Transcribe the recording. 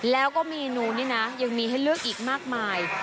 แล้วก็เมนูนี่นะยังมีให้เลือกอีกมากมาย